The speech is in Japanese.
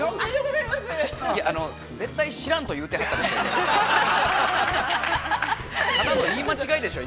◆いや、絶対知らんと言うてはったでしょう。